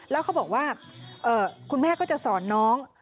แล้วเขาบอกว่าคุณแม่ก็จะสอนน้อง